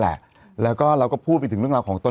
แต่อาจจะส่งมาแต่อาจจะส่งมา